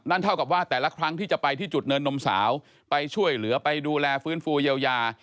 เท่ากับว่าแต่ละครั้งที่จะไปที่จุดเนินนมสาวไปช่วยเหลือไปดูแลฟื้นฟูเยียวยา